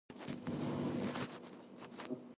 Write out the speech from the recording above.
ازادي راډیو د امنیت په اړه د پېښو رپوټونه ورکړي.